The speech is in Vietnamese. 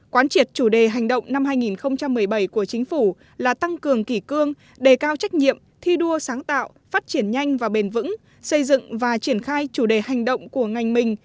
quán triệt chủ đề hành động năm hai nghìn một mươi bảy của chính phủ là tăng cường kỷ cương đề cao trách nhiệm thi đua sáng tạo phát triển nhanh và bền vững xây dựng và triển khai chủ đề hành động của ngành mình